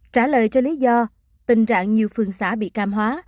trả lời cho lý do tình trạng nhiều phương xã bị cam hóa